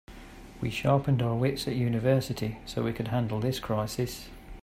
We sharpened our wits at university so we could handle this crisis.